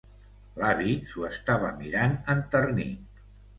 L'avi s'ho estava mirant enternit